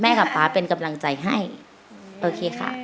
กับป๊าเป็นกำลังใจให้โอเคค่ะ